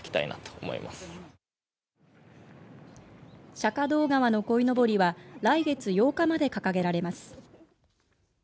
釈迦堂川のこいのぼりは来月８日まで掲げられます。